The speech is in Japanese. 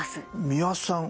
三輪さん